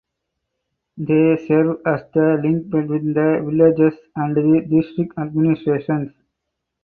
They serve as the link between the villages and the district administration.